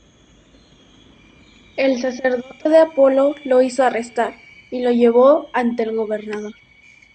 El sacerdote de Apolo lo hizo arrestar y lo llevó ante el gobernador.